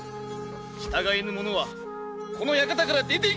従えぬ者はこの館から出ていくがよい！